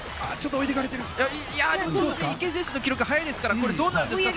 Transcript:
池江選手の記録も早いですからこれ、どうなりますかね。